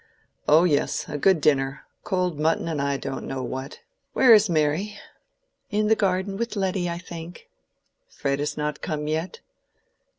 "Oh yes, a good dinner—cold mutton and I don't know what. Where is Mary?" "In the garden with Letty, I think." "Fred is not come yet?"